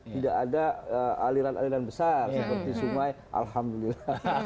tidak ada aliran aliran besar seperti sungai alhamdulillah